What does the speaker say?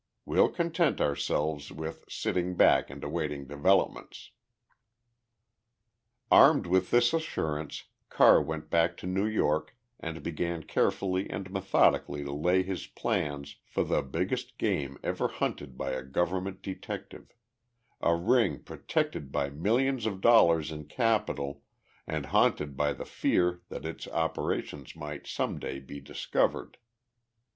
We'll content ourselves with sitting back and awaiting developments." Armed with this assurance, Carr went back to New York and began carefully and methodically to lay his plans for the biggest game ever hunted by a government detective a ring protected by millions of dollars in capital and haunted by the fear that its operations might some day be discovered.